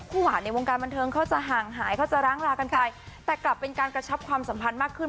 หวานในวงการบันเทิงเขาจะห่างหายเขาจะร้างลากันไปแต่กลับเป็นการกระชับความสัมพันธ์มากขึ้น